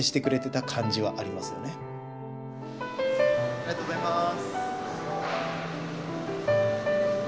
ありがとうございます。